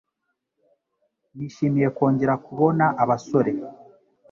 Nishimiye kongera kubona abasore.